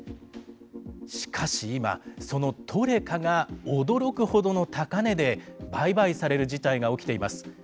しかし今、そのトレカが驚くほどの高値で売買される事態が起きています。